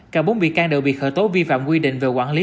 cả bốn bị can đều bị khởi tố vi phạm quy định về quản lý